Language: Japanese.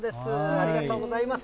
ありがとうございます。